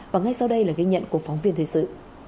và ngay sau đây là ghi nhận của phóng viên thời sự